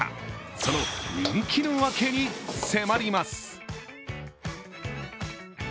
その人気のワケに迫ります。